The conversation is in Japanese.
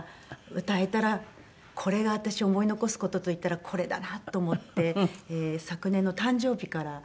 これが私思い残す事といったらこれだなと思って昨年の誕生日から。